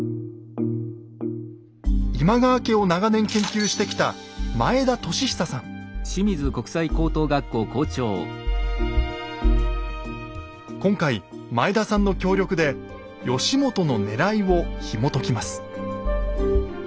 今川家を長年研究してきた今回前田さんの協力で義元のねらいをひもときます。